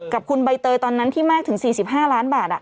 กับคุณใบเตยตอนนั้นที่มากถึง๔๕ล้านบาท